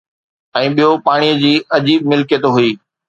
۽ ٻيو پاڻي جي عجيب ملڪيت هئي